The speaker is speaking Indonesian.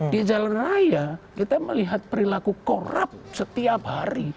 di jalan raya kita melihat perilaku korup setiap hari